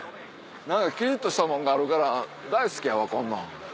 何かキリっとしたもんがあるから大好きやわこんなん。